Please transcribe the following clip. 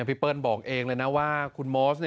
พี่เปิ้ลบอกเองเลยนะว่าคุณมอส